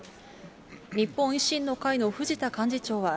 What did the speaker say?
日本維新の会の藤田幹事長は、